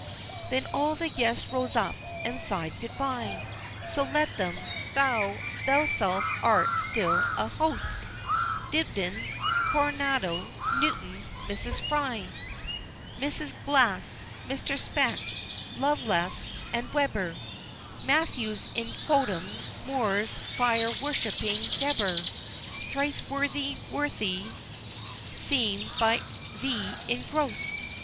Then all the guests rose up, and sighed good bye! So let them: thou thyself art still a Host! Dibdin Cornaro Newton Mrs. Fry! Mrs. Glasse, Mr. Spec! Lovelass and Weber, Matthews in Quot'em Moore's fire worshipping Gheber Thrice worthy Worthy, seem by thee engross'd!